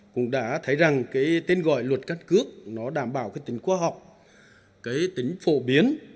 cũng đã thấy rằng cái tên gọi luật căn cước nó đảm bảo cái tính khoa học cái tính phổ biến